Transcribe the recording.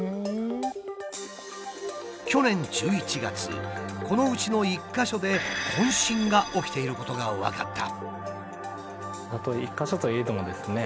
去年１１月このうちの１か所で混信が起きていることが分かった。